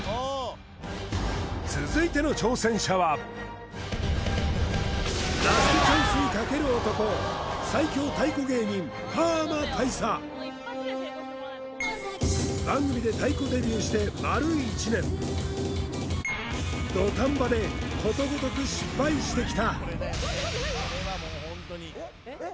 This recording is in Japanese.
続いての挑戦者はラストチャンスにかける男番組で太鼓デビューして丸１年土壇場でことごとく失敗してきたえっ？